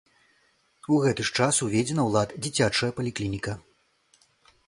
У гэты ж час уведзена ў лад дзіцячая паліклініка.